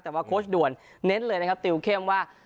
แต่ว่าโค้ชด่วนเน้นเลยนะครับติวเข้มว่า